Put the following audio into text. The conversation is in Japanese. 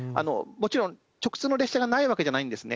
もちろん直通の列車がないわけじゃないんですね。